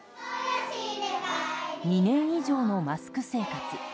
２年以上のマスク生活。